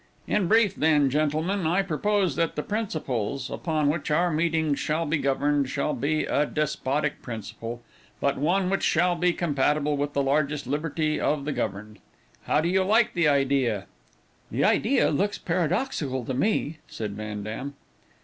In brief, then, gentlemen, I propose that the principles upon which our meetings shall be governed, shall be a despotic principle, but one which shall be compatible with the largest liberty of the governed. How do you like the idea?" "The idea looks paradoxical to me," said Van Dam.